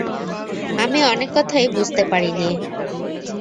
আমি অনেক কথাই বুঝতে পারি নে।